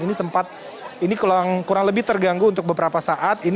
ini sempat ini kurang lebih terganggu untuk beberapa saat